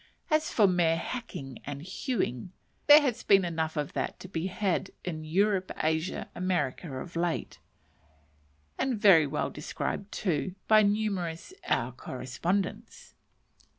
As for mere hacking and hewing, there has been enough of that to be had in Europe, Asia, and America of late; and very well described too, by numerous "our correspondents."